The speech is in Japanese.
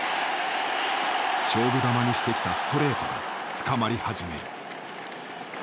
勝負球にしてきたストレートがつかまり始める。